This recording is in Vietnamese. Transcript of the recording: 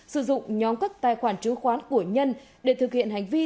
sử dụng nhóm các tài khoản chứng khoán của nhân để thực hiện hành vi